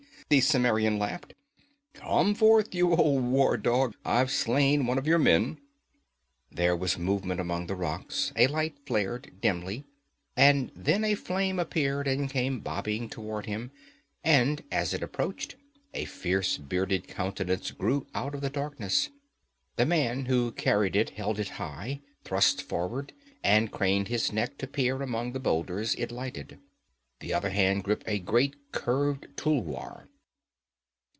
the Cimmerian laughed. 'Come forth, you old war dog. I've slain one of your men.' There was movement among the rocks, a light flared dimly, and then a flame appeared and came bobbing toward him, and as it approached, a fierce bearded countenance grew out of the darkness. The man who carried it held it high, thrust forward, and craned his neck to peer among the boulders it lighted; the other hand gripped a great curved tulwar.